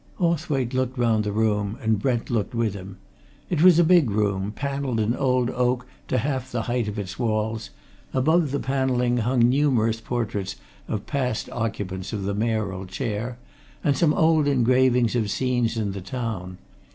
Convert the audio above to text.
Hawthwaite looked round the room, and Brent looked with him. It was a big room, panelled in old oak to half the height of its walls; above the panelling hung numerous portraits of past occupants of the Mayoral chair and some old engravings of scenes in the town.